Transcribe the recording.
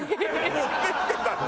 持ってきてたの？